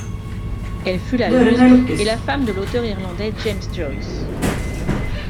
Elle fut la muse et la femme de l'auteur irlandais James Joyce.